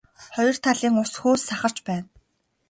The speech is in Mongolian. Хоёр талын ус хөөс сахарч байна.